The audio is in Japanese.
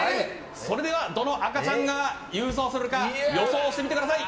それでは、どの赤ちゃんが優勝するか予想してみてください。